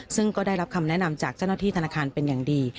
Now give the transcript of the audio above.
ซึ่งก็ได้รับคำแนะนำจากเจ้าหน้าที่ธนาคารเป็นอย่างดี